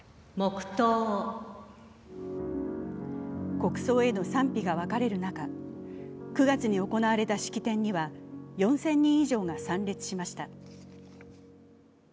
国葬への賛否が分かれる中、９月に行われた式典には４０００人以上が参列しました。